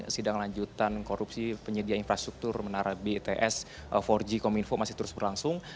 sidang lanjutan korupsi penyedia infrastruktur menara bets empat g kominfo masih terus berlangsung